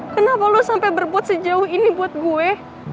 kenapa lo sampai berbuat sejauh ini buat gue